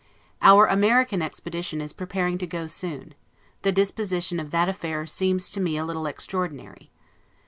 Our American expedition is preparing to go soon; the dis position of that affair seems to me a little extraordinary.